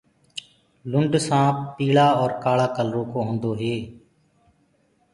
لُنڊ سآنپ پيݪآ اور ڪآۯآ ڪلرو ڪو هوندو هي۔